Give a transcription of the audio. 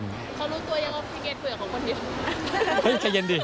เขารู้ตัวยังเอาแค่เกรทเผื่อของคนเดียว